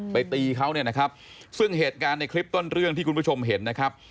ตีเขาเนี่ยนะครับซึ่งเหตุการณ์ในคลิปต้นเรื่องที่คุณผู้ชมเห็นนะครับ